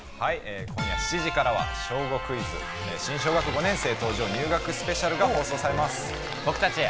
今夜７時からは『小５クイズ』新小学５年生登場、入学スペシャルが放送されます。